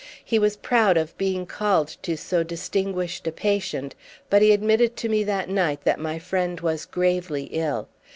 He was proud of being called to so distinguished a patient, but he admitted to me that night that my friend was gravely ill.